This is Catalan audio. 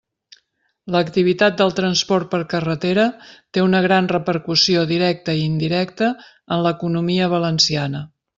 L'activitat del transport per carretera té una gran repercussió directa i indirecta en l'economia valenciana.